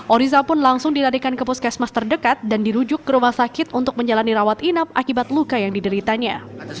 oriza pun langsung dilarikan ke puskesmas terdekat dan dirujuk ke rumah sakit untuk menjalani rawat inap akibat luka yang dideritanya